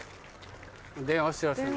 電話してらっしゃる。